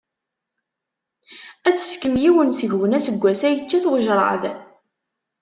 Ad tefkem yiwen seg-wen, aseggas-a yečča-t ujrad.